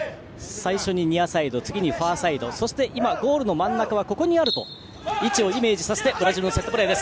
最初にニアサイド次にファーサイドそしてゴールの真ん中はここにあると位置をイメージさせてブラジルのセットプレー。